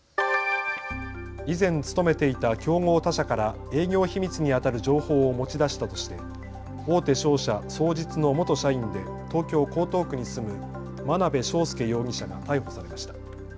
以前勤めていた競合他社から営業秘密にあたる情報を持ち出したとして大手商社、双日の元社員で東京江東区に住む眞鍋昌奨容疑者が逮捕されました。